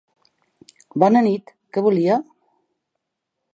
Bona nit, què volia?